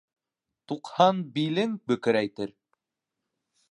Туҡһан билең бөкөрәйтер